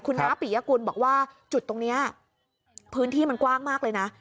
น้าปิยกุลบอกว่าจุดตรงนี้พื้นที่มันกว้างมากเลยนะ